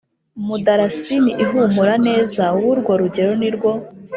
mudarasini ihumura neza w urwo rugero Ni rwo